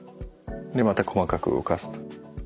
でまた細かく動かすと。